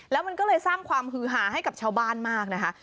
แล้วมันก็เลยสร้างความฮือหาให้กับชาวบ้านมากนะคะ